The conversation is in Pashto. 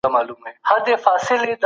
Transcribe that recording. حکومت سرحدي امنیت نه کمزوری کوي.